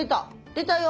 出たよ。